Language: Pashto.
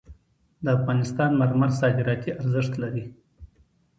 د افغانستان مرمر صادراتي ارزښت لري